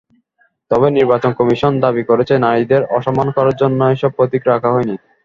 তবে নির্বাচন কমিশন দাবি করেছে, নারীদের অসম্মান করার জন্য এসব প্রতীক রাখা হয়নি।